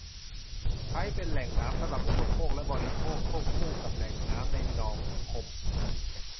ใช้เป็นแหล่งน้ำสำหรับอุปโภคและบริโภคควบคู่กับแหล่งน้ำในหนองท่ม